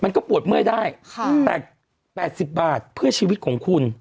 มันก็ปวดเมื่อยได้แต่๘๐บาทเพื่อชีวิตของคุณ